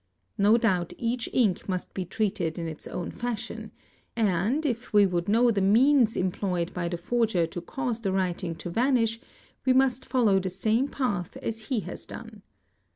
No doubt each ink must be treated in its own fashion and, if we would know the means employed by the forger to cause the writing to vanish, we must follow the same path as he has done.